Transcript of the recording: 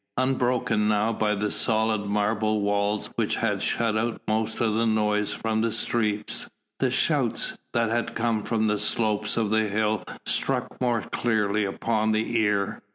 Unbroken now by the solid marble walls which had shut out most of the noise from the streets, the shouts that came from the slopes of the hill struck more clearly upon the ear.